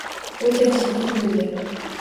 O’ta jiddiy bo‘ldi.